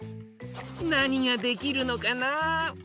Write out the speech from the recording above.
なにができるのかな？